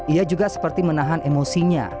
ia juga seperti menahan emosinya